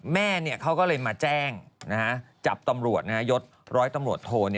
แม่เขาก็เลยมาแจ้งจับตำรวจยศร้อยตำรวจโท